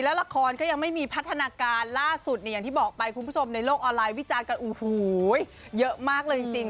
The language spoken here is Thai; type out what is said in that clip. แล้วละครก็ยังไม่มีพัฒนาการล่าสุดเนี่ยอย่างที่บอกไปคุณผู้ชมในโลกออนไลน์วิจารณ์กันโอ้โหเยอะมากเลยจริง